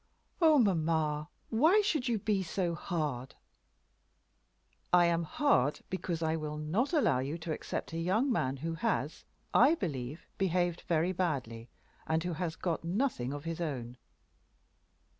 "Oh, mamma, why should you be so hard?" "I am hard, because I will not allow you to accept a young man who has, I believe, behaved very badly, and who has got nothing of his own."